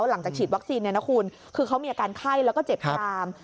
หลังจากฉีดวัคซีนคือเขามีอาการไข้แล้วก็เจ็บกลาม